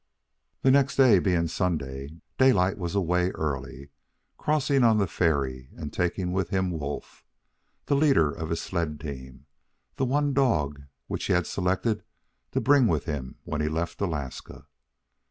The next day being Sunday, Daylight was away early, crossing on the ferry and taking with him Wolf, the leader of his sled team, the one dog which he had selected to bring with him when he left Alaska.